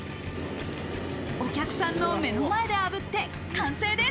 お客さんの目の前で炙って完成です。